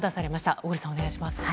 小栗さん、お願いします。